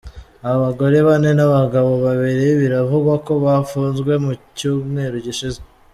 Abagore bane n'abagabo babiri biravugwa ko bafunzwe mu cyumweru gishize.